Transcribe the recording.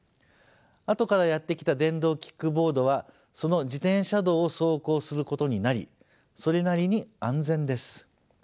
あとからやって来た電動キックボードはその自転車道を走行することになりそれなりに安全です。